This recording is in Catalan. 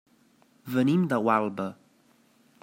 Venim de Gualba.